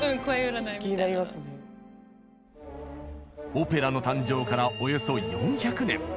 オペラの誕生からおよそ４００年。